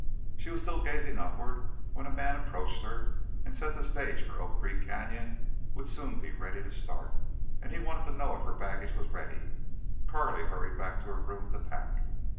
She was still gazing upward when a man approached her and said the stage for Oak Creek Canyon would soon be ready to start, and he wanted to know if her baggage was ready. Carley hurried back to her room to pack.